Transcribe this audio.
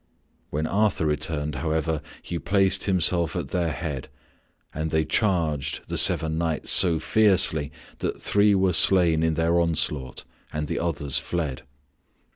When Arthur returned, however, he placed himself at their head and they charged the seven knights so fiercely that three were slain in their onslaught and the others fled.